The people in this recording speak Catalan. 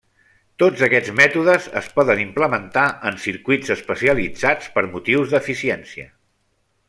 Tots aquests mètodes es poden implementar en circuits especialitzats per motius d'eficiència.